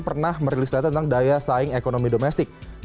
pernah merilis data tentang daya saing ekonomi domestik